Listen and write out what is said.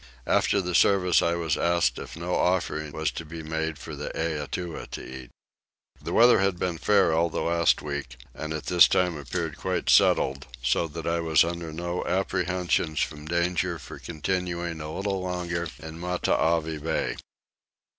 After the service I was asked if no offering was to be made for the Eatua to eat. The weather had been fair all the last week and at this time appeared quite settled, so that I was under no apprehensions of danger from continuing a little longer in Matavai bay.